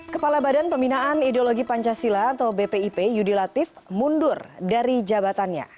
kepala badan pembinaan ideologi pancasila atau bpip yudi latif mundur dari jabatannya